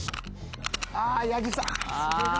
あ八木さん。